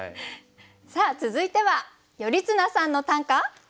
さあ続いては「頼綱さんの！短歌」。